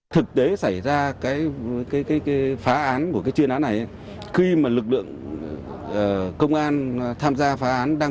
thực tế xảy ra cái phá án của cái chuyên án này khi mà lực lượng công an tham gia phá án đang